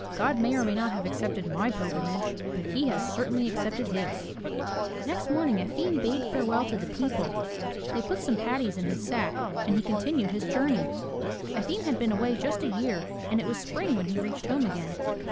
"God may or may not have accepted my pilgrimage, but He has certainly accepted his." Next morning Efim bade farewell to the people, they put some patties in his sack, and he continued his journey. Efim had been away just a year, and it was spring when he reached home again.